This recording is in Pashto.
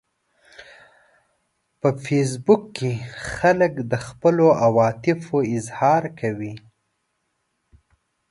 په فېسبوک کې خلک د خپلو عواطفو اظهار کوي